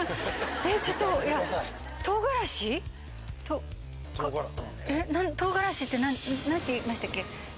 ちょっと唐辛子？と唐辛子って何ていいましたっけ？